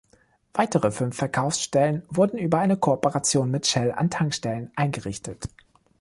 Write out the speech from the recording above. Weitere fünf Verkaufsstellen wurden über eine Kooperation mit Shell an Tankstellen eingerichtet.